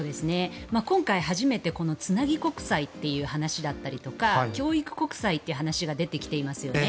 今回初めてつなぎ国債という話だったりとか教育国債という話が出てきていますよね。